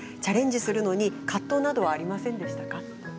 チャレンジするのに葛藤などはありませんでしたか？